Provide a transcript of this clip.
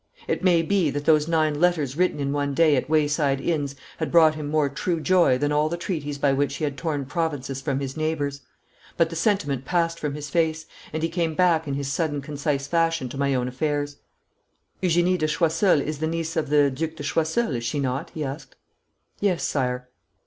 It may be that those nine letters written in one day at wayside inns had brought him more true joy than all the treaties by which he had torn provinces from his neighbours. But the sentiment passed from his face, and he came back in his sudden concise fashion to my own affairs. 'Eugenie de Choiseul is the niece of the Duc de Choiseul, is she not?' he asked. 'Yes, Sire.'